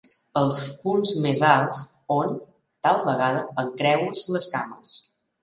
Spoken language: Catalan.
Els punts més alts on, tal vegada, encreues les cames.